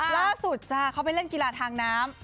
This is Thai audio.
ล่าสุดจ้ะเขาไปเล่นกีฬาทางน้ำ